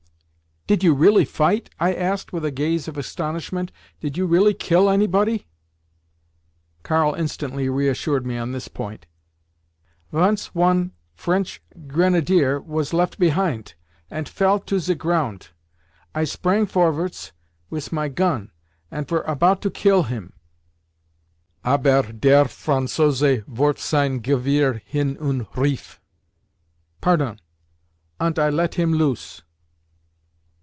"Did you really fight?" I asked with a gaze of astonishment "Did you really kill anybody?" Karl instantly reassured me on this point, "Vonce one French grenadier was left behint, ant fell to ze grount. I sprang forvarts wis my gon, ant vere about to kill him, aber der Franzose warf sein Gewehr hin und rief, 'Pardon'—ant I let him loose.